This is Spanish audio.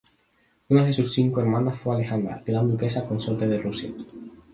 Una de sus cinco hermanas fue Alejandra, gran duquesa consorte de Rusia.